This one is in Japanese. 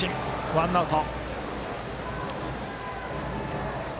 ワンアウト。